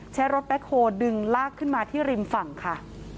ใช้รถแบ็คโฮลดึงลากขึ้นมาที่ริมฝั่งค่ะ